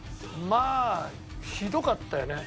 まあひどかったよね。